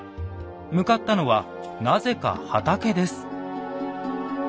向かったのはなぜか畑です。